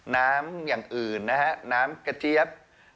น้ำอย่างอื่นนะครับน้ำกระเจี๊ยบ